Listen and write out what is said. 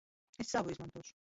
Es savu izmantošu.